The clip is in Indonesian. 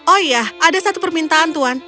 oh ya ada satu permintaan